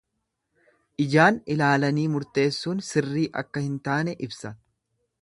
ljaan ilaalanii murteessuun sirrii akka hin taane ibsa.